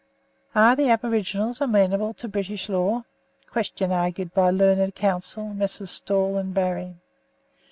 Are the aboriginals amenable to British law? Question argued by learned counsel, Messrs. Stawell and Barry.